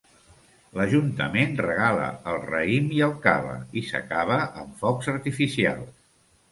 L'Ajuntament regala el raïm i el cava i s'acaba amb focs artificials.